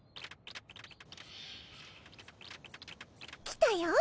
来たよ。